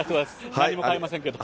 何も買いませんけども。